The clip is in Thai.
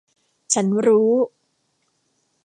ฉันรู้ !